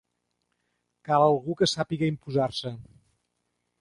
Cal algú que sàpiga imposar-se.